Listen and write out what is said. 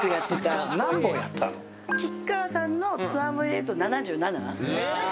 吉川さんのツアーも入れると７７。